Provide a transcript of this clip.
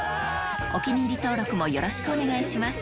お気に入り登録もよろしくお願いします